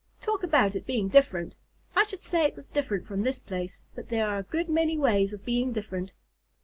Talk about its being different! I should say it was different from this place, but there are a good many ways of being different.